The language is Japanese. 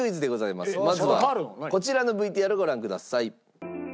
まずはこちらのＶＴＲをご覧ください。